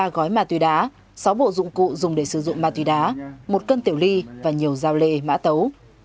ba gói ma túy đá sáu bộ dụng cụ dùng để sử dụng ma túy đá một cân tiểu ly và nhiều giao lê mã tấu